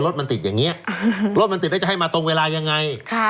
รถมันติดแบบนี้รถมันจะมาตรงเวลายังไง